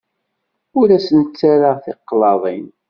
Ur asen-ttarraɣ tiqlaḍin.